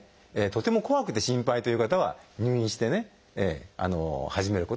とても怖くて心配という方は入院して始めることもあります。